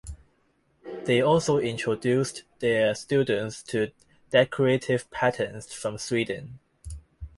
They also introduced their students to decorative patterns from Sweden.